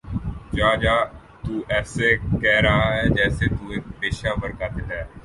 جاجا تو ایسے کہ رہا ہے جیسے تو ایک پیشہ ور قاتل ہو